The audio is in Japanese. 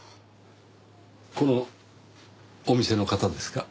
このお店の方ですか？